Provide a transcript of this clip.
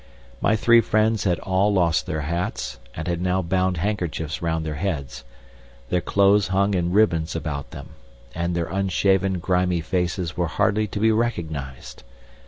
My three friends had all lost their hats, and had now bound handkerchiefs round their heads, their clothes hung in ribbons about them, and their unshaven grimy faces were hardly to be recognized.